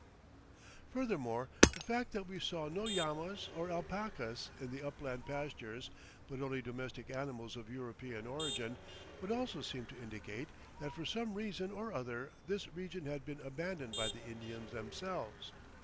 Furthermore, the fact that we saw no llamas or alpacas in the upland pastures, but only domestic animals of European origin, would also seem to indicate that for some reason or other this region had been abandoned by the Indians themselves.